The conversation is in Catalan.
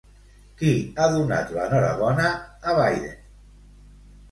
Qui ha donat l'enhorabona a Biden?